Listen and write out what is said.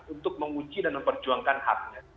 untuk menguji dan memperjuangkan haknya